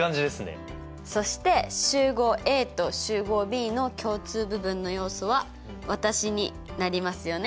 そして集合Ａと集合Ｂの共通部分の要素は私になりますよね。